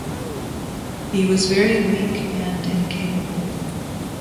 He was very weak and incapable.